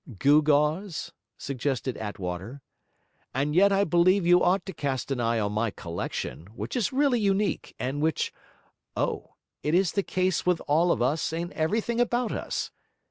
'Gewgaws?' suggested Attwater. 'And yet I believe you ought to cast an eye on my collection, which is really unique, and which oh! it is the case with all of us and everything about us!